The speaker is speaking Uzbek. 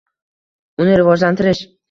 uni rivojlantirish